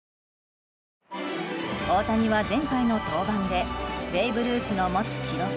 大谷は前回の登板でベーブ・ルースの持つ記録